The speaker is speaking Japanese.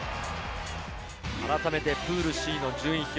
改めてプールＣの順位表。